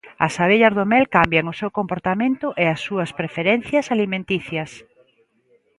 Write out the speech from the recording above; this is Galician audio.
As abellas do mel cambian o seu comportamento e as súas preferencias alimenticias.